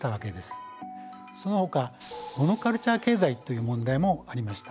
そのほかモノカルチャー経済という問題もありました。